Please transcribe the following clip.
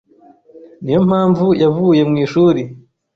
Niyo mpamvu yavuye mu ishuri.